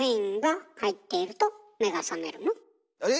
え？